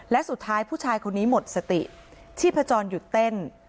และสุดท้ายผู้ชายคนนี้หมดสติชีพจรหยุดเต้น